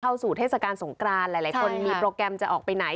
เทศกาลสงกรานหลายคนมีโปรแกรมจะออกไปไหน